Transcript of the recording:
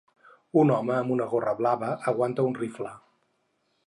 Un home amb una gorra blava aguanta un rifle.